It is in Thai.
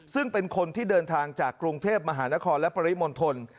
ซึ่งเป็นคนที่เดินทางจากกรุงเทพมหานครและปริมณฑล